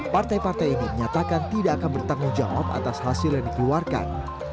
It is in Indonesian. partai partai ini menyatakan tidak akan bertanggung jawab atas hasil yang dikeluarkan